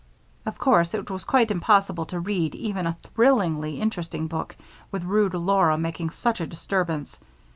Of course it was quite impossible to read even a thrillingly interesting book with rude Laura making such a disturbance.